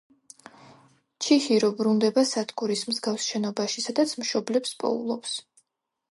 ჩიჰირო ბრუნდება სადგურის მსგავს შენობაში, სადაც მშობლებს პოულობს.